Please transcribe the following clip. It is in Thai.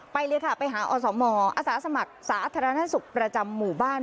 ไปเลยค่ะไปหาอสมอาสาสมัครสาธารณสุขประจำหมู่บ้าน